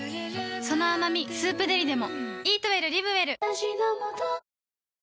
その甘み「スープデリ」でも